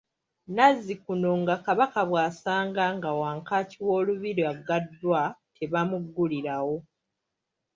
Nazzikuko nga Kabaka bw’asanga nga wankaaki wo lubiri aggaddwa, tebamuggulirawo.